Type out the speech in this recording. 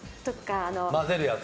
混ぜるやつ。